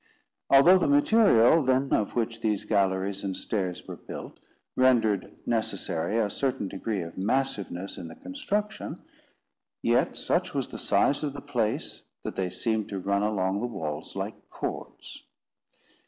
Although the material, then, of which these galleries and stairs were built, rendered necessary a certain degree of massiveness in the construction, yet such was the size of the place, that they seemed to run along the walls like cords.